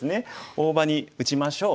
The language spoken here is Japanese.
大場に打ちましょう。